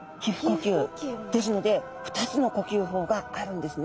ですので２つの呼吸法があるんですね。